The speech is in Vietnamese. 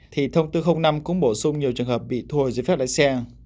thì thông tư năm cũng bổ sung nhiều trường hợp bị thu hồi giấy phép lái xe